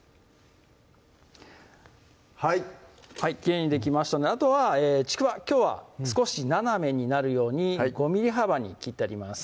はいはいきれいにできましたのであとはちくわきょうは少し斜めになるように５ｍｍ幅に切ってあります